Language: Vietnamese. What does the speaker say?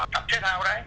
tập thể thao đấy